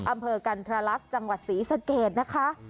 อำเภอกันทรลักษณ์จังหวัดศรีสะเกดนะคะ